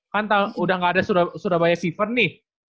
kan udah gak ada surabaya fever nih kan